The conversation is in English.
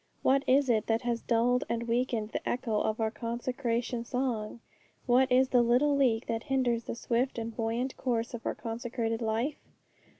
What is it that has dulled and weakened the echo of our consecration song? what is the little leak that hinders the swift and buoyant course of our consecrated life?